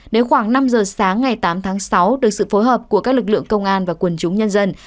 đến khoảng năm giờ sáng ngày tám tháng sáu được sự phối hợp của các lực lượng công an và quần chúng nhân dân